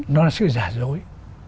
nó là sự giả dối